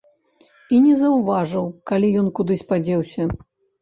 І не заўважыў, калі ён кудысь падзеўся.